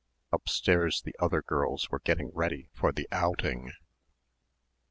Upstairs the other girls were getting ready for the outing.